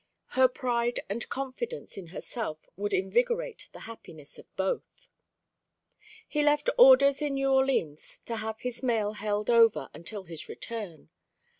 Her pride and confidence in herself would invigorate the happiness of both. He left orders in New Orleans to have his mail held over until his return.